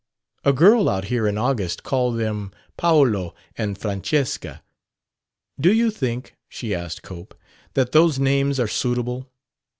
"A girl out here in August called them Paolo and Francesca. Do you think," she asked Cope, "that those names are suitable?"